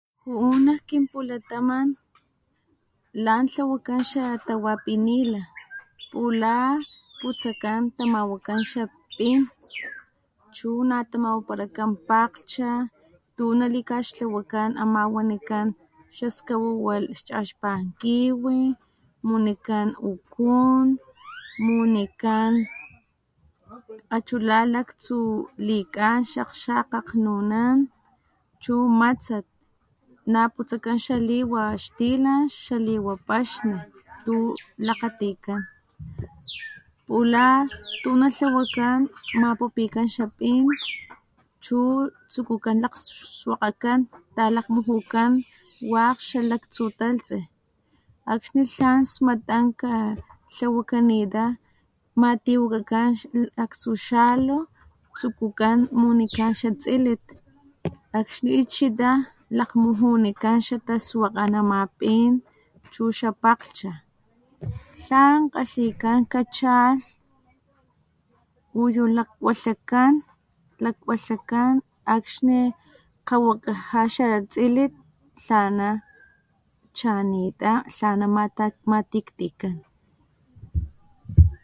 Ju'u nak kinpulataman lan tlawakan xatawa pinila pula putsakan tamawakan xapin chu natamawaparakan pakglhcha tunalikaxtlawakan ama wanikan xaskawawa xchaxpan kiwi, munikan ukun, munikan achulalaktsu likan xakgxakga akgnunan, chu matsat na putsakan xaliwa xtilan xaliwa paxni tu lakgatikan pula tu natlawakan mapupikan xapin, chu tsukukan lakgswakakan talakgmujukan wakg xalaktsu talhtsi akxni tlan smatanka tlawakanita matiwakakan aktsu xalu tsukukan munikan xatsilit akxni chichita lakgmujunikan xataxwan xataswakga pin chu xapakglhcha tlan kgalhikan kachalh uyu lakwalhakan lakwalhakan akxni kgawakaja xatsilit tlana chanita tlana matiktikan.